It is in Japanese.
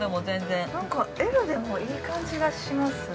◆Ｌでもいい感じがします。